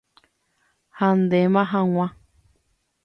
ha ndéma hag̃ua